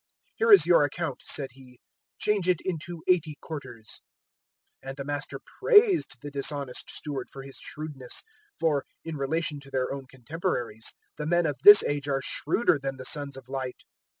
"`Here is your account,' said he: `change it into eighty quarters.' 016:008 "And the master praised the dishonest steward for his shrewdness; for, in relation to their own contemporaries, the men of this age are shrewder than the sons of Light.